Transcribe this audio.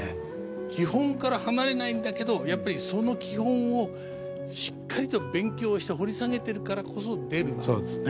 基本から離れないんだけどやっぱりその基本をしっかりと勉強して掘り下げてるからこそ出るすごさですね。